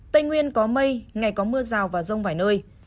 tây nguyên có mây ngày có mưa rào và rông vài nơi